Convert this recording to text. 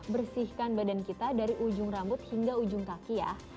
bersihkan badan kita dari ujung rambut hingga ujung kaki ya